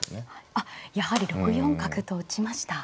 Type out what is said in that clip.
あっやはり６四角と打ちました。